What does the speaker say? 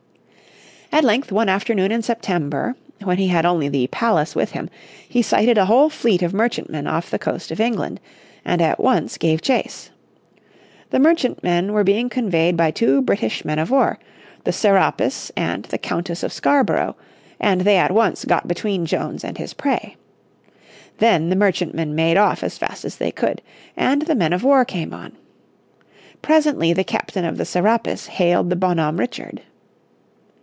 At length one afternoon in September, when he had only the Pallas with him, he sighted a whole fleet of merchantmen off the coast of England and at once gave chase. The merchantmen were being convoyed by two British men of war, the Serapis and the Countess of Scarborough, and they at once got between Jones and his prey. Then the merchantmen made off as fast as they could, and the men of war came on. Presently the captain of the Serapis hailed the Bonhomme Richard.